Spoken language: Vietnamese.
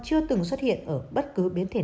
chưa từng xuất hiện ở bất cứ biến thể